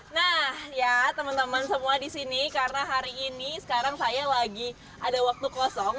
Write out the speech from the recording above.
nah ya teman teman semua di sini karena hari ini sekarang saya lagi ada waktu kosong